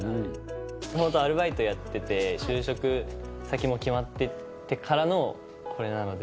本当、アルバイトやってて、就職先も決まっててからのこれなので。